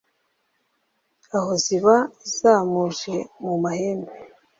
Aho ziba zamuje mu mahembe,